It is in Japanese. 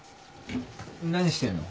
何してんの？